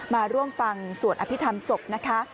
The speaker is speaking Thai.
มาร่วมฟังสวดอภิษฐรรมศพนะคะ